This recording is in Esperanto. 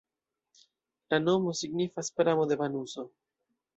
La nomo signifas: pramo-de-banuso.